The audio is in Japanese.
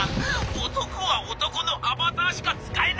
男は男のアバターしか使えないようにしろ！」。